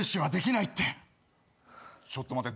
ちょっと待て。